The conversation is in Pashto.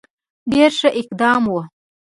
ډېر ښه اقدام وو.